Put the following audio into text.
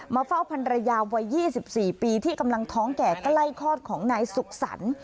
เฝ้าพันรยาวัย๒๔ปีที่กำลังท้องแก่ใกล้คลอดของนายสุขสรรค์